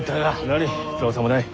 何造作もない。